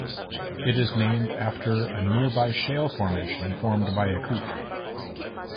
It is named after a nearby shale formation formed by a creek.